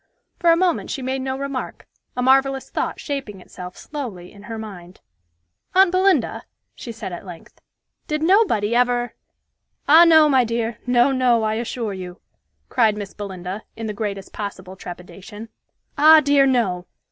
For a moment she made no remark, a marvellous thought shaping itself slowly in her mind. "Aunt Belinda," she said at length, "did nobody ever" "Ah, no, my dear! No, no, I assure you!" cried Miss Belinda, in the greatest possible trepidation. "Ah, dear, no!